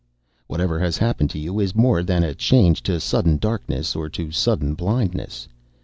Whatever has happened to you is more than a change to sudden darkness or to sudden blindness.